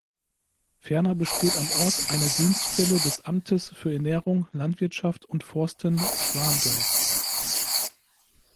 Ferner besteht am Ort eine Dienststelle des Amtes für Ernährung, Landwirtschaft und Forsten Schwandorf